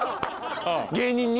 芸人に？